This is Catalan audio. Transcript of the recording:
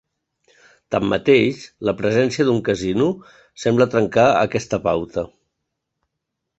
Tanmateix, la presència d'un casino sembla trencar aquesta pauta.